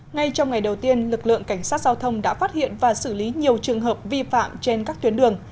ngay trong ngày đầu tiên lực lượng cảnh sát giao thông đã phát hiện và xử lý nhiều trường hợp vi phạm trên các tuyến đường